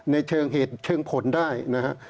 ในเชิงเหตุเชิงผลได้นะฮะ